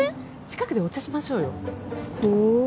近くでお茶しましょうよお？